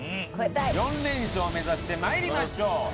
４連勝を目指して参りましょう。